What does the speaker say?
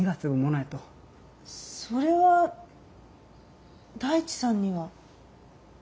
それは大地さんには？